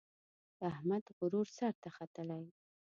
د احمد غرور سر ته ختلی.